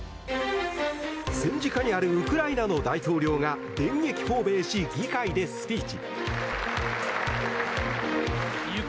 戦時下であるウクライナの大統領が電撃訪米し議会でスピーチ。